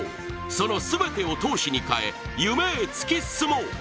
その全てを闘志に変え夢へ突き進もう。